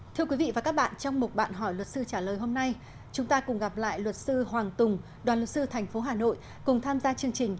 thưa quý vị và các bạn trong mục bạn hỏi luật sư trả lời hôm nay chúng ta cùng gặp lại luật sư hoàng tùng đoàn luật sư tp hcm cùng tham gia chương trình